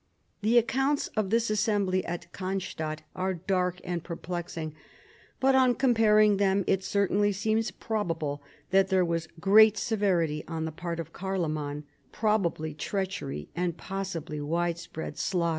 The accounts of this assembly at Cannstadt fire dark and perplexing, but on comparing them it certainly seems probable that there was great severity on the part of Carloman, probably treachery and possibly widespread slaughter.